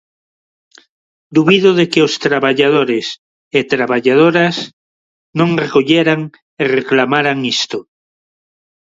Dubido de que os traballadores e traballadoras non recolleran e reclamaran isto.